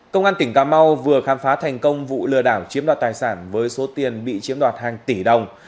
công an tỉnh cà mau vừa khám phá thành công vụ lừa đảo chiếm đoạt tài sản với số tiền bị chiếm đoạt hàng tỷ đồng